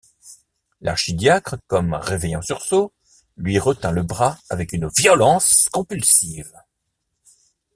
L’archidiacre, comme réveillé en sursaut, lui retint le bras avec une violence convulsive.